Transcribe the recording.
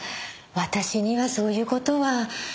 私にはそういう事は。